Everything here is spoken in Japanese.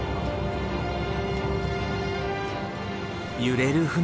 揺れる船。